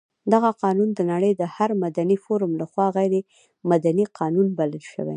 دغه قانون د نړۍ د هر مدني فورم لخوا غیر مدني قانون بلل شوی.